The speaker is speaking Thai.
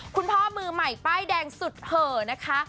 คุณพ่อมือใหม่ป้ายแดงสุดเห่อนะคะ